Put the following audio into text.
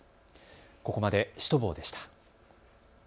ここまでシュトボーでした。